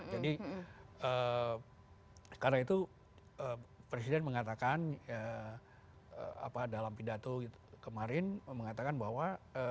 karena itu presiden mengatakan dalam pidato kemarin mengatakan bahwa